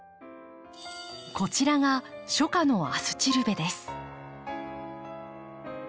こちらが初夏のアスチルベです。